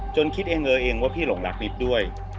คิดเองเลยเองว่าพี่หลงรักนิดด้วย